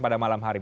pada malam hari